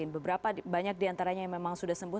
beberapa banyak diantaranya yang memang sudah sembuh